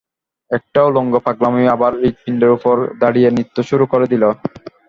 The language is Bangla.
একটা উলঙ্গ পাগলামি আবার হৃৎপিণ্ডের উপর দাঁড়িয়ে নৃত্য শুরু করে দিলে।